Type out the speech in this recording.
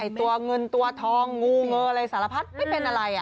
ตัวเงินตัวทองงูเงออะไรสารพัดไม่เป็นอะไร